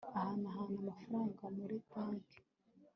ahanahana amafaranga muri banki